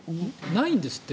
ないんですって。